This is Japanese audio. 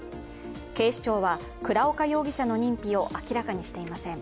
警視庁は、倉岡容疑者の認否を明らかにしていません。